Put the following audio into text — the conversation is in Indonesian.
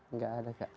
enggak ada kak